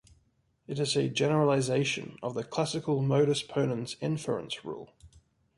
It is a generalisation of the classical modus ponens inference rule.